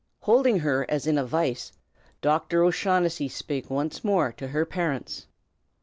Holding her as in a vice, Dr. O'Shaughnessy spoke once more to her parents.